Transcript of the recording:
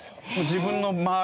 自分の周り